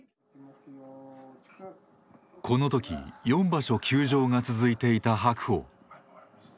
この時４場所休場が続いていた白鵬。